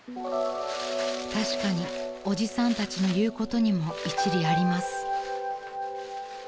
［確かにおじさんたちの言うことにも一理あります］